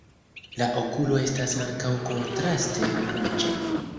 La okulo estas ankaŭ kontraste ruĝa.